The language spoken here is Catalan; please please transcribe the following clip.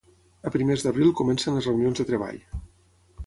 A primers d'abril comencen les reunions de treball.